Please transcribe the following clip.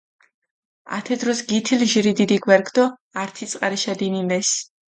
ათე დროს გითილჷ ჟირი დიდი გვერქჷ დო ართი წყარიშა დინილესჷ.